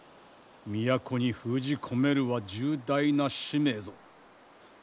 都に封じ込めるは重大な使命ぞ。